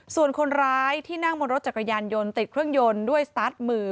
ส่วนคนร้ายที่นั่งบนรถจักรยานยนต์ติดเครื่องยนต์ด้วยสตาร์ทมือ